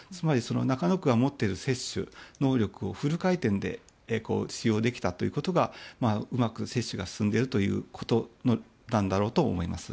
中野区が持っている接種能力をフル回転で使用できたということがうまく接種が進んでいるということなんだろうと思います。